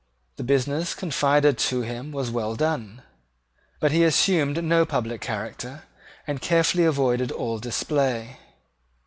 The business confided to him was well done; but he assumed no public character, and carefully avoided all display.